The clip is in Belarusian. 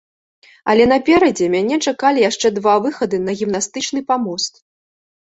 Але наперадзе мяне чакалі яшчэ два выхады на гімнастычны памост.